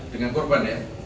dengan kurban ya